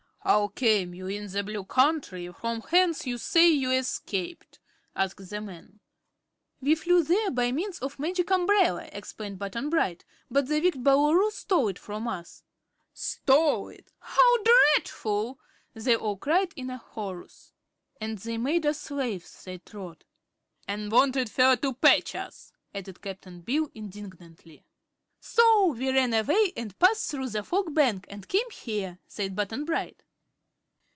"How came you in the Blue Country, from whence you say you escaped?" asked the man. "We flew there by means of a Magic Umbrella," explained Button Bright; "but the wicked Boolooroo stole it from us." "Stole it! How dreadful," they all cried in a chorus. "And they made us slaves," said Trot. "An' wanted fer to patch us," added Cap'n Bill, indignantly. "So we ran away and passed through the Fog Bank and came here," said Button Bright.